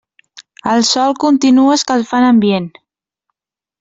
El sol continua escalfant ambient.